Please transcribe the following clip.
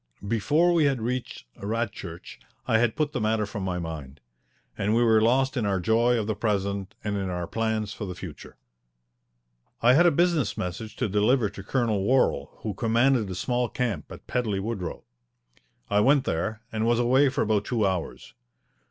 Before we had reached Radchurch I had put the matter from my mind, and we were lost in our joy of the present and in our plans for the future. I had a business message to deliver to Colonel Worral, who commanded a small camp at Pedley Woodrow. I went there and was away for about two hours.